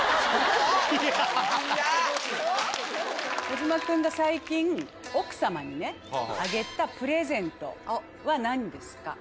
児嶋君が最近奥様にねあげたプレゼントは何ですか？